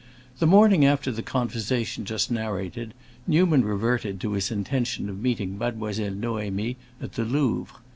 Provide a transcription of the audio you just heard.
The morning after the conversation just narrated, Newman reverted to his intention of meeting Mademoiselle Noémie at the Louvre.